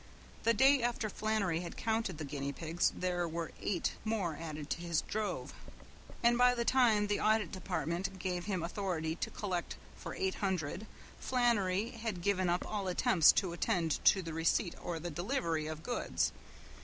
The day after Flannery had counted the guinea pigs there were eight more added to his drove, and by the time the Audit Department gave him authority to collect for eight hundred Flannery had given up all attempts to attend to the receipt or the delivery of goods.